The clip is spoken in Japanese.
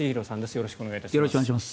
よろしくお願いします。